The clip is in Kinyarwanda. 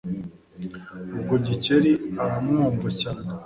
Ubwo Gikeli aramwumva cyane